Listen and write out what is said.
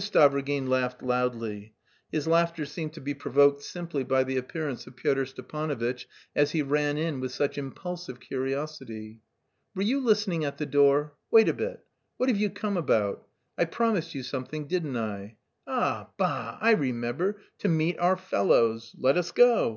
Stavrogin laughed loudly; his laughter seemed to be provoked simply by the appearance of Pyotr Stepanovitch as he ran in with such impulsive curiosity. "Were you listening at the door? Wait a bit. What have you come about? I promised you something, didn't I? Ah, bah! I remember, to meet 'our fellows.' Let us go.